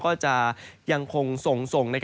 ก็จะยังคงส่ง